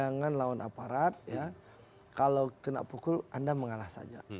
jangan lawan aparat ya kalau kena pukul anda mengalah saja